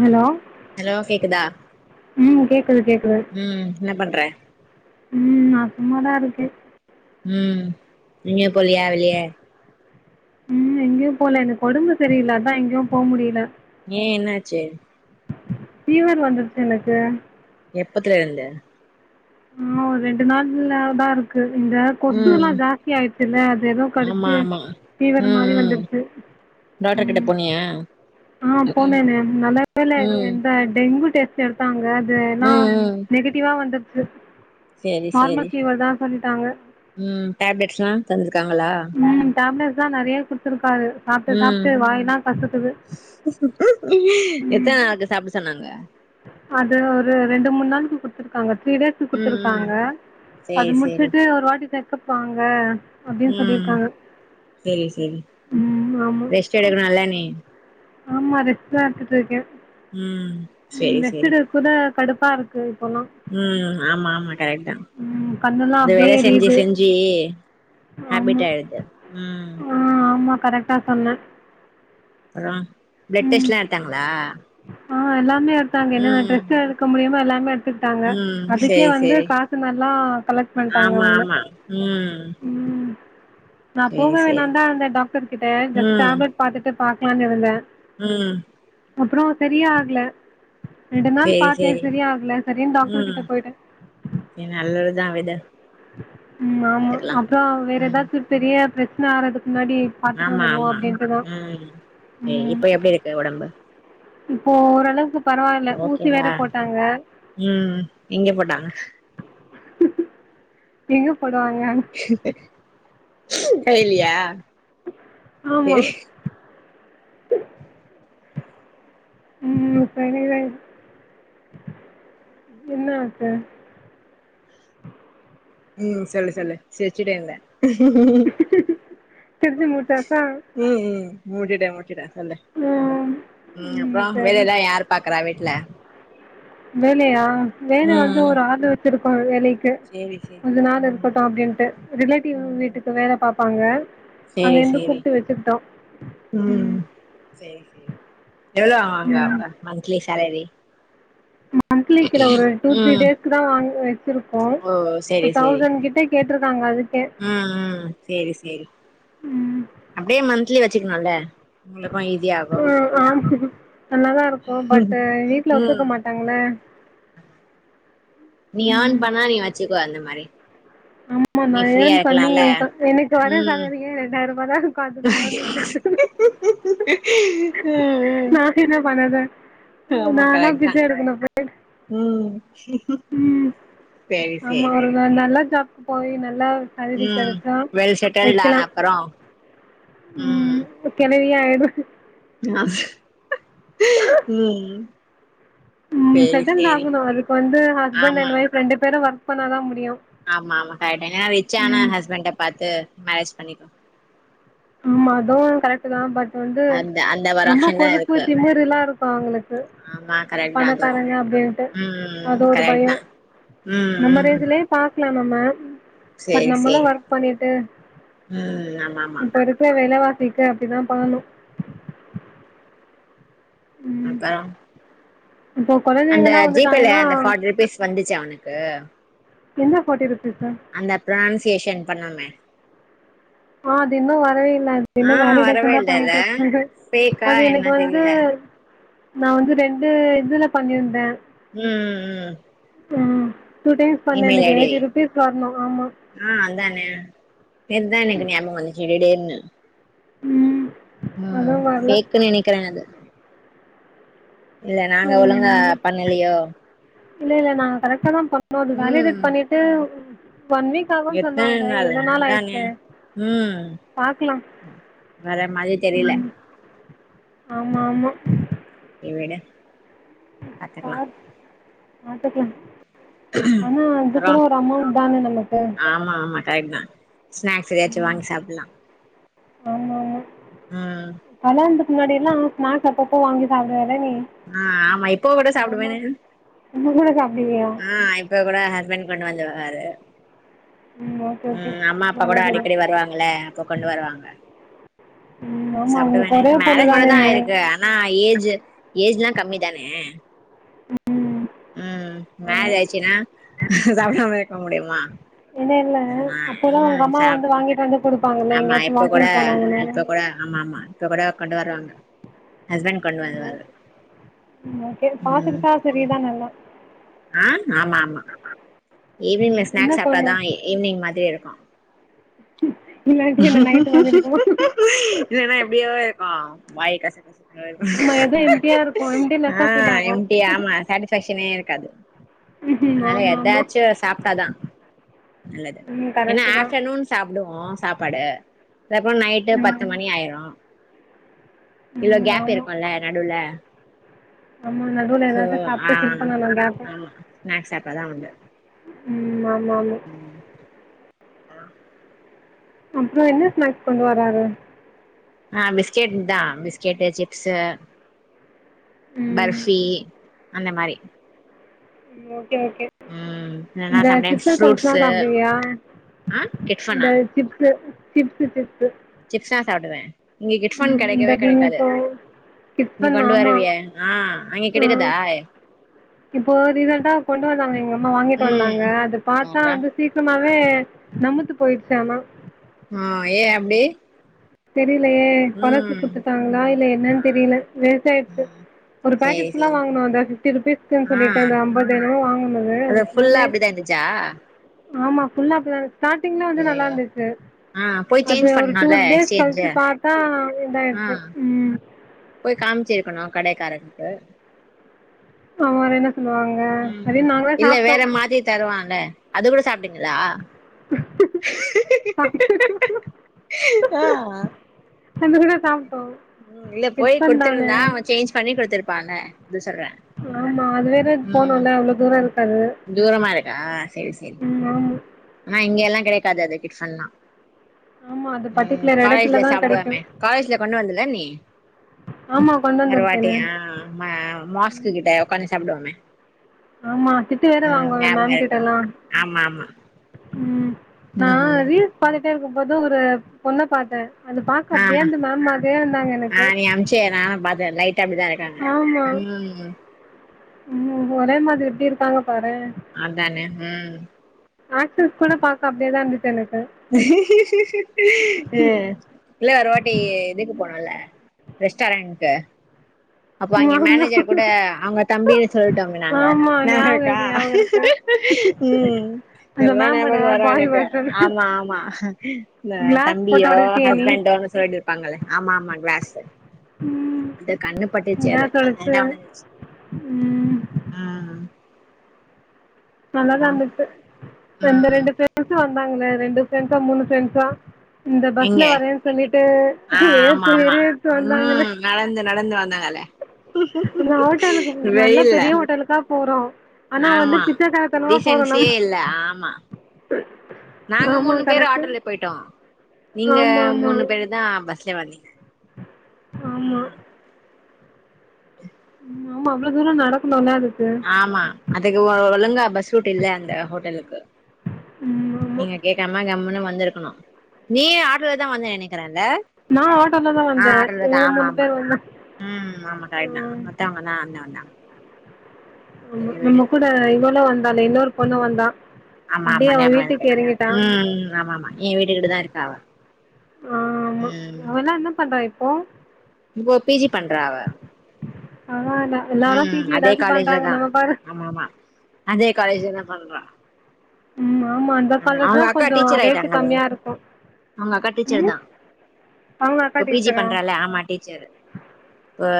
Hello hello கேக்குதா உம் கேக்குது கேக்குது ம் என்ன பண்ற உம் நா சும்மாதா இருக் உம் நீங்க பொள்ளியா வேலிய உம் எங்கேயு போல எனக் ஓடம்பு சரியல அதா எங்கேயும் போக முடியல ஏஹ என்னச்சு பீவர் வந்துருச்சு எனக்கு எப்பத்துல இருந்து ஆஹ் ஒரு ரெண்டு நாள்ல தா இருக்கு க்கு இந்த ம் கொசுலா ஜாஸ்தி ஆயிடுச்சி இல்ல அது எதோ ஆமா கடிச்சு ஆமா ஃபீவர் ம் மாரி ம் வந்துருச்சு டாக்டர் கிட்ட உம் போனியா ஆஹ் போனேனே நல்ல வேல ம் எந்த டெங்கு டெஸ்ட் எடுத்தாங்க துனா ம் ம் நெகட்டிவா வந்து து சேரி நார்மல் சேரி ஃபீவர் தா சொல்லிட்டாங்க ம் டேப்லெட்ஸ்லா தந்து ருக்காங்களா டேப்லெட்ஸ்தா நெறயா குடுத்து க்காரு சாப்ட்டு ம் சாப்ட்டு வாயில்லா கசக்குது எத்தன நாளுக்கு சாப்ட சொன்னாங்க அது ஒரு ரெண்டு மூணு நாளுக்கு குடுத்துருக்காங்க திரி டேஸ்க்கு ம் ம் குடுத்துருக்காங்க அது சேரி முடிச்சிட்டு ஒரு வாட்டி செ த்துப்பாங்க உம் சரி சரி ம் ஆமா ரெஸ்ட் எடுக்கனு இல்ல நீ ஆமா ரெஸ்ட்டு தா எடுத்துட்டு இருக்க ம் உம் ரெஸ்ட்டு எடுக்க கூத கடுப்பா இருக்கு இப்போல்லா உம் ஆமா ஆமா கரெட்தான் இந்த ம் கண்ணெல்லா ந்த அப்டியே வேல செஞ்சு எரியுது செஞ்சு ஆமா ஹேபிட் ஆயிடுது உம் கரெட்டா சொன்ன அப்புறம் பிளட் டெஸ்ட்லாம் எடுத்தாங்களா ஆஹ் எல்லாமே எடுத்தாங்க என்னென்ன ம் டெஸ்ட் எடுக்க முடியுமோ எல்லாமே எடுத்துகிட்டாங்க ம் அதுக்கே சேரி வந்து சேரி காசு நல்லா கலக்ட் பண்டாங்க ஆமா அவங்களே ஆமா ம் ம் நான் சேரி போக சேரி வேணானுதான் இருந்த டாக்டர் கிட்ட ஜஸ்ட் டேப்லெட் பாத்துட்டு பாக்கலான்னு இருந்தன் உம் அப்புறம் சரியா ஆகல ரெண்டு நாள் சேரி பாத்தேன் சேரி சரி ஆகல சரினு ம் டாக்டர்கிட்ட போய்ட்டன் சேரி நல்லதுதா விடு ம் ஆமா பாத்துக்கலா அப்றோ வேற ம் எதாச்சு பெரிய ஏ பிரச்சன ஆறதுக் ஆமா ஆமா ம் சேரி ம் இப்ப எப்டி இருக்கு ஒடம்பு இப்போ ஓரளவுக்கு பரவால்ல ஊசி ஓகேவா வேற போட்டாங்க ம் எங்க போட்டா பியூப் போடுவாங்க கைலியா ஆமா சேரி ம் உக்ரைன்ல என்ன ஆச்சு ம் சொல்லு சொல்லு சிரிச்சிட்டே இருந்தே திருச்சி முத்தாசா ம் ம் மூடிட்டே முட்ச்சிட்டே சொல்லு ம் ம் அப்றோ வேலல்லா யார் பாக்கறா வீட்ல வேலையா வேல வந்து ம் ஒரு ஆள வெச்சிரு பா வேலைக் சேரி சேரி கொஞ்ச நாள் ம் இருக்கட்டு அப்டின்ட்டு ரிலேட்டிவ் ம் வீட்டுக்கு வேல பா பாங்க சேரி சேரி ம் சேரி சேரி எவ்ளோ ஆகு அங்க ம் அவுங்க மன்த்லிஸ் கெழவி மன்திக்ல ஒரு டூ த்ரீ ம் டேஸ்கு தா வாங்குவே [inaudible] ஓ சேரி சேரி கேட்டிருக்காங்க அதுக்கே ம் ம் சேரி சேரி ம் அப்டியே மந்த் இட்லி வச்சுக்கலால்ல ம் ஆ செரி ஒத்துக்க ம் மாட்டாங்களே நீ ஆன் பண்ணா நீ வச்சுக்கோ அந்த மாரி ஆமா நா நீ ஃப்ரீயா ஏன் பண்ணி இருக்கலால்ல ப எனக்கு வர ம் சேலரியே ரெண்டாயிர் ரூபா தா ம் [unintelligible] நா என்ன பண்ணர்து ஆமா கரெக்ட் தா போய் ம் ம் சேரி ஆமா சேரி ஒரு ந நல்ல ஜாப் போய் நல் ம் வெல் செட்டில்லா அப்பறோ ம் உம்க்கவே ஆயடு ஆ ம் உம் சேரி செட்டண்ட சேரி ஆகணும் அதுக்கு வந்து ஹஸ்பண்ட் ஆமா அண்ட் ஒய்ஃப் ரெண்டு பேரும் வர பண்ணாதான் முடியும் ஆமா ஆமா கரட்டேன் ஏா ரிச்ச ஆன ஹஸ்பண்ட பார்த்து மேரேஜ் பண்ணிக்கோ ஆமா அதுவும் கரெக்ட் தான் பட் ப்ப வந்து அந்த அந்த ஒரு ரொம்ப ஆப்ஷன் தா கொழுப்பு இருக்கு திமுறுலாம் இருக்கு அவ்ங்களுக்கு ஆமா கரெக்ட் தா அதுவு பணக்காரங்க அப்டின்ட்டு ம் அது ஒரு கரெக்ட் தா பயம் நம்ம ரேஞ்சுலயே பா லாமாமேம் செரி செரி உம் ஆமா ஆமா [unintelligible] அப்டிதான் பண்ணணு ம் அதா இப்போ அந்த கொழந்தைங்கல்லா ஜிபேல வந்துட்டாங்கன்னா அந்த ஃபாட்டி ருபீஸ் வந்துச்சா உ னக்கு எந்த ஃபார்டி ருபீ அந்த ப்ரனன்சியேஷன் பண்ணோமே ஆஹ் அது இன்னும் வரவே இலை அது ஆ இன்னும் வரவே வேலிடேஷன் தான் இல்லல்ல பண்ணிட்டு இருக்காங்க ஃபேக்கா அது எனக்கு என்ன வந்து தெரில நான் வந்து ரெண்டு இதுல பண்ணிருந்தேன் உம் உம் ம் டூ டைம்ஸ் பண்ணே இமெயில் எனக்கு ஐடிஐ எயிட்டி ருபீஸ் வரணு ஆமா ஆஹ் அதானே நேதான் எனக்கு ஞாபகம் வந்துச்சுடே திடீர்னு உம் உம் ஃபேக்குன்னு நெனைக்கிறேன் அது இல்ல நாங்க ஒழுங்கா ம் பண்ணலையோ இல்ல இல்ல நாங்க கரெக்டா தான்ப் நோ அது ம் வேலிடேட் பண்ணிட்டு ஒன் வீக் ஆகுன்னு எத்தன சொன்னாங்க நாள் எவ்ளோ அந்தானே ஆயிடுச்சு உம் பாக்கலா வரமாரி தெரியல ஆமா ஆமா நீ விடு ஆ பாத்துக்கலா பாத்துக்கலாம் ஆனா அப்றோ அதுக்குள்ள ஒரு அமௌண்ட் தானே நமக்கு கரெட்தான் ஸ்நாக்ஸ் ஏதயாச்சும் வாங்கி சாப்டலாம் ஆமா ஆமா உம் முன்னாடியெல்லாம் ஸ்நாக்ஸ் அப்போ அப்போ வாங்கி சாப்டுவேன் ஆஹ் ஆமா இப்போ கூட சாப்டுவேன்னு இப்ப கூட சாப்பிடுவியா? ஆஹ் இப்போ கூட ஹஸ்பண்ட் கொண்டு வந்துருவாரு ம் ஓகே [inaudible] ஓகே. உம் அம்மா அப்பா கூட நல்லது. அடிக்கடி வருவாங்கள அப்ப கொண்டு வருவாங்க ம் ஆமா சாப்பிட்டு உங்களுக்கு வேண ஒரே பொண்ணு மேரேஜ் தான மட்டும் தான் நீ? ஆயிருக்கு ஆனா ஏஜ் ஏஜ்ல்லாம் கம்மி தானே உம் மேரேஜயச்சுன்னா சாப்பிட போ முடியுமா என்ன இல்ல ஆமா அப்பதான் உங்க ம் அம்மா சாப் வந்து வாங்கிட்டு வந்து குடுப்பாங்கல்ல ஆமா எங்கேயாச்சும் இப்ப கூட வாக்கிங் போனாங்கன்னா? இப்ப கூட ஆமா ஆமா இப்ப கூட கொண்டு வருவாங்க [inaudible] கொண்டு வருவாரு ஓகே பாத்துக்கிட்டா சரிதான் நல்லா ஆஹ் ஆமா ஆமா ம் ஈவினிங் என்ன ஸ்நாக்ஸ் பொண்ணு? சாப்பிடாதான் ஈவினிங் மாதிரி இருக்கும் இல்லாட்டி என்ன ம் நைட்டு மாதிரி இருக்கும். இல்லனா எப்டியோ இருக்கும் வாய கச ஆமா ஏதோ எம்டியா இருக்கும். எம்டி லெஸ்ஸா ஃபீல் ஆஹ் எம்டி ஆமா சட்டிஸ்பஷனே காது உம்ம் ஆமா ஆமா சாப்பிட்டாதான் நல்லது ம் ஏன்னா கரெக்ட்டு தான் ஆப்டர்நூன் சாப்ட ஓ சாப்பாடு அதுப்புறம் நைட்டு ம் பத்து மணி ஆயிரும் இவ்லோ ம் கேப் ஆமா இருக்கும்ல நடுல ஆமா நடுவுல சோ ஏதாவது சாப்ட்டு ஃபில் ஆஹ் பண்ணணும் கேப்பு ஆஹ் ஸ்நாக்ஸ் சாப்டா தான் உண்டு உம் ஆ நானு ஆஹ் அப்புறம் என்ன ஸ்நாக்ஸ் கொண்டு வர்ராரு ஆஹ் பிஸ்கெட் தான் பிஸ்கெட் சிப்ஸு ம் பர்ஃபி அந்த மாரி உம் ஓகே ம் இல்லன்னா இந்த சம்டைம்ஸ் சிப்ஸ்ங்களா ஃப்ரூட்ஸு சாப்பிடுவியா ஆ இந்த கிட்ஃபனா சிப்ஸ்சு சிப்ஸ்சு சிப்ஸ் சிப்ஸா சாப்டுவேன் உம் இந்த கிப் இப்போ நீ டிபன் கொண்டு ஆமா வருவியே ஆ அங்க ஆஹ் கெடைக்குதா இப்போ ரிசன்டா கொண்டு வந்தாங்க எங்க அம்மா வாங்கிட்டு ம் வந்தாங்க அத பாத்தா அது பார்றா வந்து சீக்கிரமாவே அது நம்மத்து போயிடுச்சாமா ஆஹ் ஏன் அப்படி தெரிலயே பழசு குடுத்துட்டாங்களா இல்ல என்னன்னு தெரியல வேஸ்டாயிடுச்சு ம் ஒரு பேக்கெட் சேரி புல்லா சேரி வாங்குனாங்க பிப்டி ருபீஸ்க்குன்னு ஆ சொல்லிட்டு அந்த ஐம்பது என்னமோ வாங்கனது அது ஃபுல்லா புல்லாமே அப்டிதா இருந்துச்சா ஆமா ஃ புல்லா அப்பிடி தா ஸ்டார்டிங்ல வந்து நல்லா ஐயயோ இருந்துச்சு ஆ போய் அது சேஞ்ச் ஒரு டூ பண்ணுல டேஸ் எக்ஸ்சேஞ்சு கழிச்சு பார்த்தா ஆ இதாயிடுச்சு உம் போய் காமிச்சிருக்கணு கடைக்காரனுக்கு அவ என்ன சொல்லுவாங்க உம் அப்டின்னு நாங்களே இல்ல சாப்ட்டோ வேற மாதிரி தருவான் ங்க அது கூட சாப்பிட்டிங் சாப்ட்டு ஆஹ் ஆஹ் தந்தா கூட சாப் உம் இல்ல போய் குடுத்துருந்தா அவன் சேஞ்ச் பண்ணி குடுத்துருப்பால அதுசர ஆமா அது வேற போனும் இல அவ்வளோ தூர இரு தூரமா இருக்கா செரி செரி ம் ஆமா ஆனா இங்கயெல்லா கெடைக்காது அது டிப்ஸ்ஸல்லா ஆமா அது உம் பர்ட்டிகுலர் காலேஜ்ல எடத்துலதா கெடைக்கு சாப்டுவோமே காலேஜ்ல கொண்டு வந்துல நீ ஆமா கொண்டு ஒருவாட்டி வந்திருக்கேனே ஆ மா மாஸ்க்கு கிட்ட உக்காந்து சாப்டுவோமே ஆமா திட்டு வேற ம் வாங்குவேமே ஞாபகோ மேம் இருக்கு கிட்டல்லா ஆமா ஆமா உம் நா ம் ரீல்ஸ் பாதி ப்ரியா இருக்கும் போதும் ஒரு பொண்ண பாத்தே அது பாக்க ஆ அப்டியே அந்த மேம் மாதிரியே இருந்தாங்க எனக்கு ட்டா அப்டித்தா இருக்காங்க உம் ம் உம் ஒரே மாதிரி எப்டி இருக்காங்க பாரே அதானே உம் ஆக்டர்ஸ் கூட பாக்க அப்டியேதா இருந்துச்சு எனக்கு ம் இல்ல ஒரு வாட்டி இதுக்கு போனுல்ல ரெஸ்டாரண்ட்டு அப்போ ம் அங்கெ ஆமா மேனேஜர் கூடே அவுங்க தம்பீன்னு சொல்ட்டோங்க நாங்க ஆமா ஞாபகோ இருக்கு ஞாபகோ இருக்கு ம் அந்த எல்லா மேமோட ஞாபகோ வரு பாய் எனக்கு வெர்ஷன் ஆ ஆமா இல்லல்ல கிளாஸ் போட்டு தம்பியோ ஒடச்சியே நீ ஹஸ்பண்டோனு சொல்ட்டு இருப்பாங்களே ஆமா ஆமாங் ஃக்ளாசு இந்த கண்ணு பட்டுச்சேது கிளாஸ் ஒடச்சு அதுனாலதா ஒன்ன நெனச்சு ம் ம் ம் நல்லாதாந்துச்சு அந்ந ம் ரெண்டு பேருக்கு வந் ந்தாங்கல ரெண்டு ஃப்ரண்ட்ஸா மூணு ப்ரண்ட்ஸா இந்த எங்க பஸ்ல வரேன் சொல்லிட்டு ஆ ஆமா வேத்து ஆமா விறுவிறுத்து வந்தாங்கலே ம் நடந்து நடந்து வந்தாங் தல ஹோட்டலுக்கு நல்ல வெயில்ல பெரிய ஹோட்டலுக்கா போறோ ஆனா வந்து ஆமா பிச்சைக்காரத்தனமா போறோ டீசென்ஸியே நம்ம இல்ல ஆம்மா நாங்க ஆமா மூணு பேரு கரெக்ட்டு ஆட்டோல்லயே போயிட்டோ நீங்க ஆமா ஆமா மூணு பேருந்தா பஸ்ல வந்தீங்க ஆமா உம் ஆமா அவ்ளோ தூரோ நடக்குணுல்ல அது ஆமா அதுக்கு ஓ ஒழுங்கா பஸ் ரூட் இல்ல அந்த ஹோட்டேல்க்கு ம் ஆமா நீங்க கேட்காம கம்முன்னு வந் வந்துருக்கணு நீ ஆட்டோலதா வந்த நெனக்கிறே லே நா ஆட்டோலதா ஆ வந்தே ஆட்டோலதா இவங்க ஆமா மூணு ஆமா பேர் வந்தா உம் ஆமாக்கா என்னா மத்தவங்கனா அதுல்ல வந்தாங்க ஆமா சேரி விடு நம்ம கூட இவளு வந் காலையில ஒரு பொண்ணு வந்தா ஆமா ஆமா அப்டியே அவ ஞாபகருக்கு வீட்டுக்கு எறங்கிட்டா உம் ம் ஆமா ஆமா ஏ வீட்டுகிட்டதா இருக்கா அவ ஆ ஆமா ம் அவல்லா என்னப் பண்ற இப் போ இப்போ பி ஜி பண்றா அவ ஆமா னா எல்லாரு பி ம் ஜி அதே எதாச்சு காலேஜ்ல பண்றாங்க நா பாரு காலேஜ்தா பண்றா ம்மா ம் அவங்கக்கா டீச்சராயிட்டாங்களே கம்மியா இருக்கு அவுங்க அக்கா டீச்சர் ம் தா அவங்க அக்கா இப்ப பி ஜி டீச்சரா பண்றால ஆமா டீச்சர் ஓ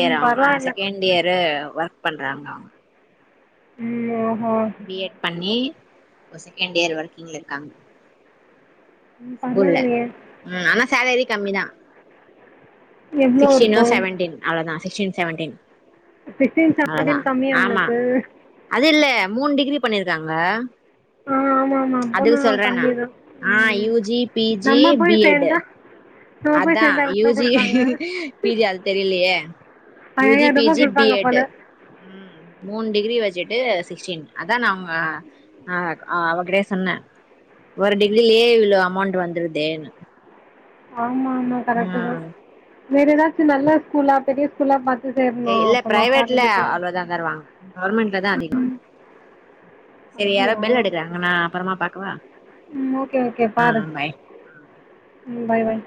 ம் ஆ பரவாயில்ல செகேன்டியரு வர்க் பண்றாங்கொ ம் ஓ பி எட் பண்ணி இப்போ செகெண்ட் இயர் ஒர்க்கிங்ல இருக்காங் ம் ஸ்கூல்ல பரவாயில்லையே ம் ஆனா சேலரி கம்மிதா எவ்ளோ சிக்ஸ்டினோ இருக்கு செவன்டீன் அவ்ளதா சிக்ஸ்டீன் செவன்டீன் சிக்ஸ்டீன் அவ்ளோதா செவன்டீன் கமியா ஆமா உனக்கு அது இல்ல மூணு டிகிரி பண்ணிருக்காங்க ஆ ஆமா ஆமா அதுக்கு அப்பனா சொல்றே நா கம்மிதா ஆ ம் யூ ஜி பி ஜி நம்ம போய் பி எட்டு சேர்ந்தா நம்ம போய் அதா சேர்ந்தா யூ எவ்ளோ ஜி குடுப்பாங்க பி ஜி யா அது தெரிலியே யூ ஜி ஐயாயிர பி ரூபா ஜி பி குடுப்பாங்க எட்டு போல ம் மூண் டிகிரி வெச்சுட்டு சிக்ஸ்டீன் அதா நா அவங்க அ அவகிட்டயே சொன்ன ஒரு டிகிரிலயே இவ்ளோ அமௌண்ட் வந்துருதேன்னு ஆமா ஆமா கரெக்ட்டுதா ம் வேற ஏதாச்சு நல்ல ஸ்கூலா பெரிய ஸ்கூலா பாத் ஏ இல்ல பிரைவேட்ல அவ்ளதா தருவாங்க கவர்மெண்ட்லதா அதிக சரி யாரோ அப்டியா பெல் அடுக்கிறாங்க நா அப்புறமா பாக்கவா ம் ஓகே ஓகே ஆ பாரு ஆ பை ம் பாய் பாய்